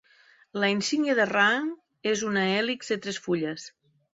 La insígnia de rang és una hèlix de tres fulles.